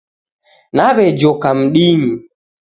Nawejoka mdinyi